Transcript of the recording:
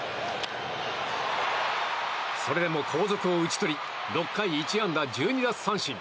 それでも後続を打ち取り６回１安打１２奪三振。